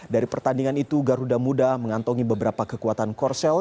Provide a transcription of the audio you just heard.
dari pertandingan itu garuda muda mengantongi beberapa kekuatan korsel